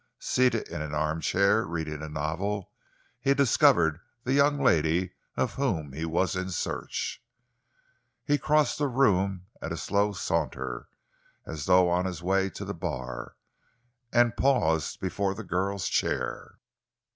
Seated in an armchair, reading a novel, he discovered the young lady of whom he was in search. He crossed the room at a slow saunter, as though on his way to the bar, and paused before the girl's chair.